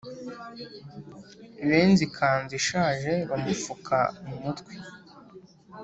benze ikanzu ishaje bamupfuka mu mutwe,